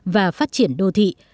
và phát triển đô thị